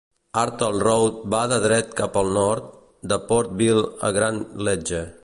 Hartel Road va de dret cap al nord, de Potterville a Grand Ledge.